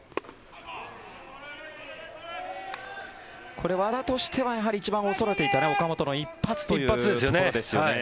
これ、和田としては一番恐れていた岡本の一発というところですよね。